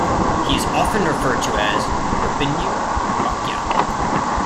He is often referred to as Rabbeinu Bachya.